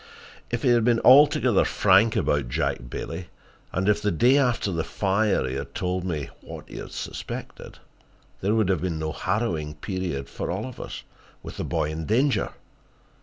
If he had been altogether frank about Jack Bailey, and if the day after the fire he had told me what he suspected, there would have been no harrowing period for all of us, with the boy in danger.